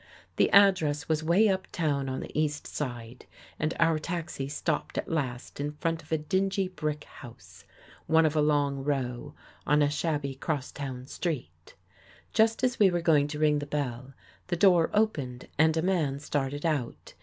The address was way up town on the East side and our taxi stopped at last in front of a dingy brick house, one of a long row, on a shabby cross tov/n street. Just as we were going to ring the bell, the door opened and a man started out.